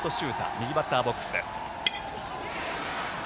右バッターボックスです。